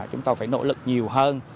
chúng tôi phải nỗ lực nhiều hơn